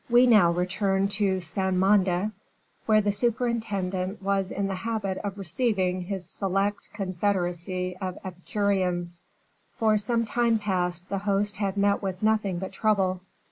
We now return to Saint Mande, where the superintendent was in the habit of receiving his select confederacy of epicureans. For some time past the host had met with nothing but trouble.